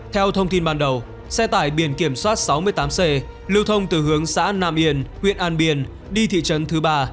theo thông tin ban đầu xe tải biển kiểm soát sáu mươi tám c lưu thông từ hướng xã nam yên huyện an biên đi thị trấn thứ ba